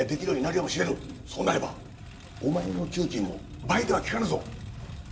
そうなればお前の給金も倍ではきかぬぞ。